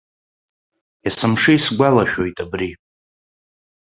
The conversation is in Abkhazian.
Есымша исгәалашәоит абри.